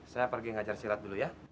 saya pergi ngajar silat dulu ya